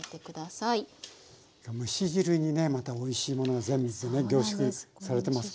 蒸し汁にねまたおいしいものが全部ね凝縮されてますもんね。